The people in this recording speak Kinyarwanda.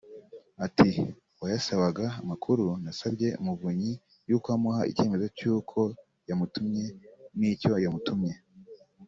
Ati "Uwayasabaga [amakuru] nasabye Umuvunyi y’uko amuha icyemezo cy’uko yamutumye n’icyo yamutumye